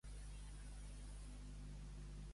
Arc de teix costa d'armar i afluixar deix.